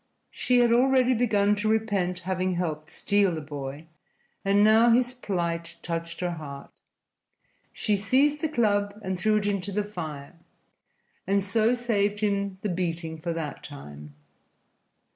She had already begun to repent having helped steal the boy, and now his plight touched her heart. She seized the club and threw it into the fire, and so saved him the beating for that time.